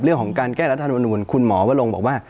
เรื่องของการแก้รัฐธรรมนูลคุณหมอวะลงบอกว่า